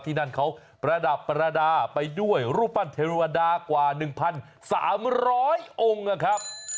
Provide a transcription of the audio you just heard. ที่นั่นเขาประดับประดาไปด้วยรูปปั้นเทวดากว่า๑๓๐๐องค์นะครับ